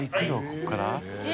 ここから？